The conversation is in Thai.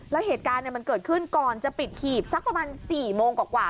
แล้วเหตุการณ์มันเกิดขึ้นก่อนจะปิดหีบสักประมาณ๔โมงกว่า